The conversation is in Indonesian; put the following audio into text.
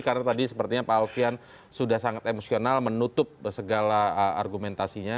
karena tadi sepertinya pak alfian sudah sangat emosional menutup segala argumentasinya